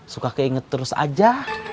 suka keinget terus aja